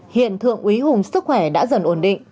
hiện thượng úy hùng sức khỏe đã dần ổn định